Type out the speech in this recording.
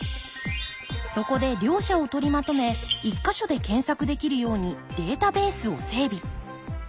そこで両者を取りまとめ１か所で検索できるようにデータベースを整備。